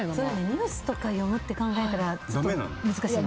ニュースとか読むって考えたら難しい。